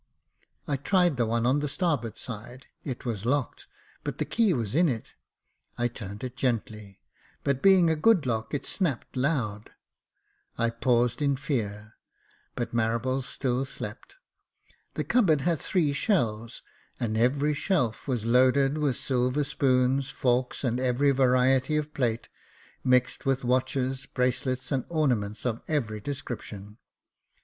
I tried the one on the starboard side ; it was locked, but the key was in it. I turned it gently, but being a good lock, it snapped loud. I paused in fear — but Marables still slept. The cupboard had three shelves, and every shelf was loaded with silver spoons, forks, and every variety of plate, mixed with watches, bracelets, and ornaments of every description.